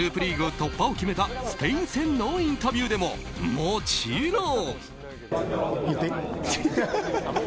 突破を決めたスペイン戦のインタビューでももちろん。